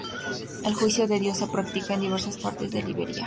El juicio de Dios se practica en diversas partes de Liberia.